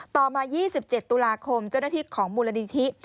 ต่อมา๒๗ตุลาคมเจ้าหน้าที่ของมูลนิธิ